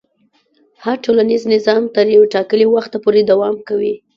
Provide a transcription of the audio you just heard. هر ټولنیز نظام تر یو ټاکلي وخته پورې دوام کوي.